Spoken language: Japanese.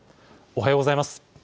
おはようございます。